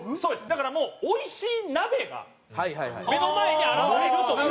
だからもうおいしい鍋が目の前に現れるという。